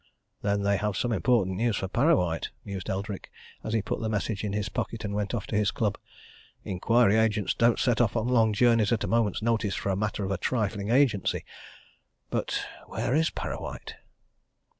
"Then they have some important news for Parrawhite," mused Eldrick, as he put the message in his pocket and went off to his club. "Inquiry agents don't set off on long journeys at a moment's notice for a matter of a trifling agency. But where is Parrawhite?"